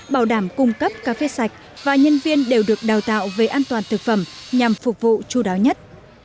bảo đảm cung cấp cà phê sạch và nhân viên đều được đào tạo về an toàn thực phẩm nhằm phục vụ chú đáo nhất